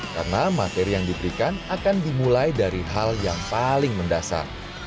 karena materi yang diberikan akan dimulai dari hal yang paling mendasar